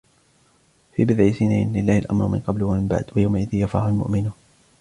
فِي بِضْعِ سِنِينَ لِلَّهِ الْأَمْرُ مِنْ قَبْلُ وَمِنْ بَعْدُ وَيَوْمَئِذٍ يَفْرَحُ الْمُؤْمِنُونَ